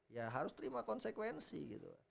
ya harus terima konsekuensi gitu